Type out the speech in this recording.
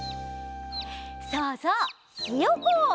そうそうひよこ！